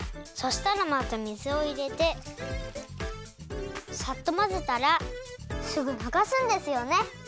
そしたらまた水をいれてさっとまぜたらすぐながすんですよね？